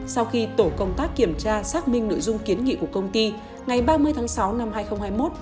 sau khi tổ công tác kiểm tra xác minh nội dung kiến nghị của công ty ngày ba mươi tháng sáu năm hai nghìn hai mươi một